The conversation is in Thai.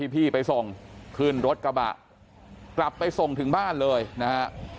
พี่ไปส่งขึ้นรถกระบะกลับไปส่งถึงบ้านเลยนะฮะ